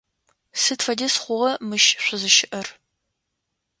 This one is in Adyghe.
Сыд фэдиз хъугъа мыщ шъузыщыӏэр?